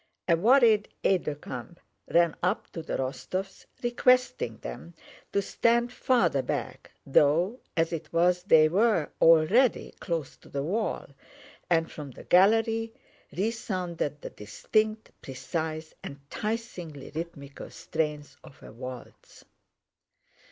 A worried aide de camp ran up to the Rostóvs requesting them to stand farther back, though as it was they were already close to the wall, and from the gallery resounded the distinct, precise, enticingly rhythmical strains of a waltz.